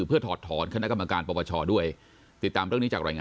เพื่อถอดถอนคณะกรรมการประวัติศาสตร์ด้วย